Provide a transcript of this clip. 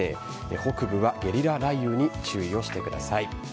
北部はゲリラ雷雨に注意をしてください。